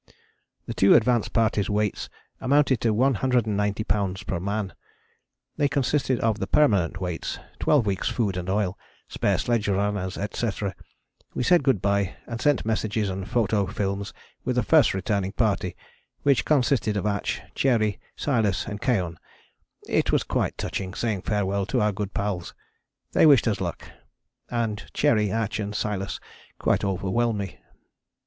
The two advance parties' weights amounted to 190 lbs. per man. They consisted of the permanent weights, twelve weeks' food and oil, spare sledge runners, etc. We said good bye and sent back messages and photo films with the First Returning Party, which consisted of Atch, Cherry, Silas and Keohane. It was quite touching saying farewell to our good pals they wished us luck, and Cherry, Atch and Silas quite overwhelmed me.